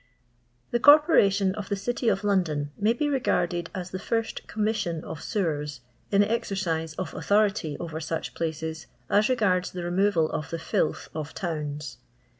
The Corporation of the Citj of London may be regarded as the first Commission of Sewers in the exercise of authority over such places as reganU the removal of the fllth of towns.